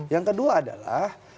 yang kedua adalah